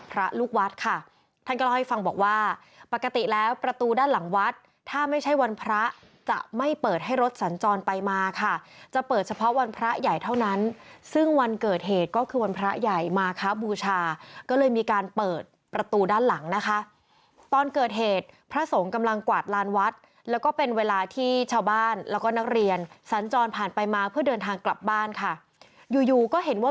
ลูกวัดค่ะท่านก็เล่าให้ฟังบอกว่าปกติแล้วประตูด้านหลังวัดถ้าไม่ใช่วันพระจะไม่เปิดให้รถสัญจรไปมาค่ะจะเปิดเฉพาะวันพระใหญ่เท่านั้นซึ่งวันเกิดเหตุก็คือวันพระใหญ่มาครับบูชาก็เลยมีการเปิดประตูด้านหลังนะคะตอนเกิดเหตุพระสงฆ์กำลังกวาดลานวัดแล้วก็เป็นเวลาที่ชาวบ้านแล้วก็นักเรียนสัญจรผ่านไปมาเพื่อเดินทางกลับบ้านค่ะอยู่อยู่ก็เห็นว่า